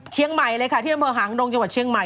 เชียงใหม่เลยค่ะที่อำเภอหางดงจังหวัดเชียงใหม่